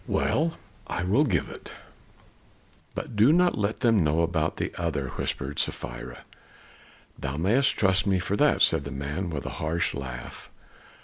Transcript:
"Well, I will give it." "But do not let them know about the other," whispered Sapphira. "Thou mayest trust me for that!" said the man with a harsh laugh.